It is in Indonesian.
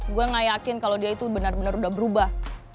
gue gak yakin kalau dia itu benar benar udah berubah